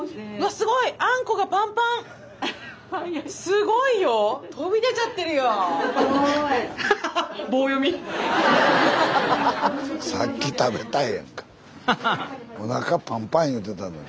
スタジオおなかパンパン言うてたのに。